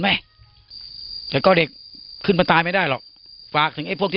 ไหมแต่ก็เด็กขึ้นมาตายไม่ได้หรอกฝากถึงไอ้พวกที่